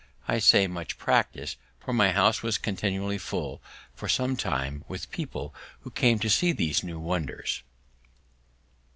I say much practice, for my house was continually full, for some time, with people who came to see these new wonders.